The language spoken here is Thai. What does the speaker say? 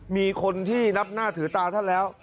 มีคนที่นับหน้าถือตาท่านแล้ว